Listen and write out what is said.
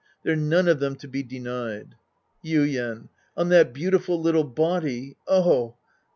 They're none of them to be denied. Yuien. On that beautiful little body. Oh